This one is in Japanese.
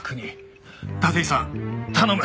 立石さん頼む！